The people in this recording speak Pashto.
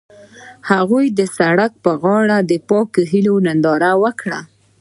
هغوی د سړک پر غاړه د پاک هیلې ننداره وکړه.